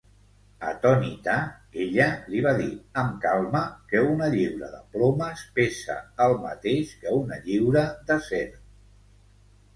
Atònita, ella li va dir amb calma que una lliura de plomes pesa el mateix que una lliura d'acer.